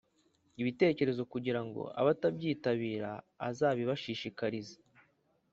ibitekerezo kugira ngo abatabyitabira azabibashishikarize